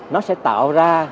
nó sẽ tạo ra